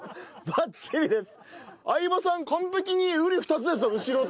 バッチリです。